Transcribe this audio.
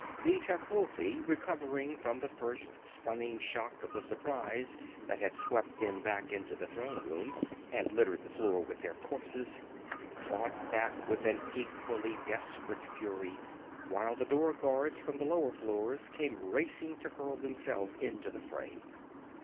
The Tecuhltli, recovering from the first stunning shock of the surprise that had swept them back into the throne room and littered the floor with their corpses, fought back with an equally desperate fury, while the door guards from the lower floors came racing to hurl themselves into the fray.